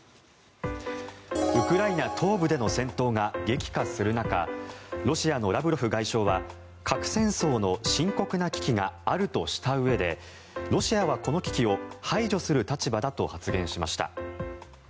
ウクライナ東部での戦闘が激化する中ロシアのラブロフ外相は核戦争の深刻な危機があるとしたうえでロシアはこの危機を排除する立場だと発言しました。